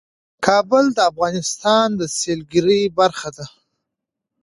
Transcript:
کابل د افغانستان د سیلګرۍ برخه ده.